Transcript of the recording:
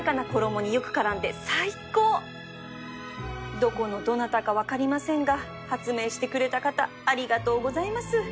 どこのどなたか分かりませんが発明してくれた方ありがとうございます